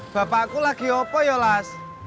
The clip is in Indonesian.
bapakku lagi apa ya las